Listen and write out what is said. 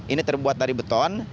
ini terbuat dari beton